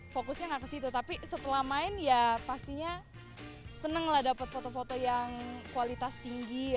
fokusnya nggak ke situ tapi setelah main ya pastinya seneng lah dapet foto foto yang kualitas tinggi